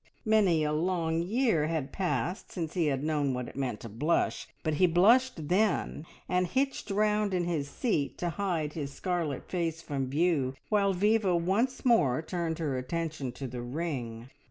Many a long year had passed since he had known what it meant to blush, but he blushed then, and hitched round in his seat to hide his scarlet face from view, while Viva once more turned her attention to the ring.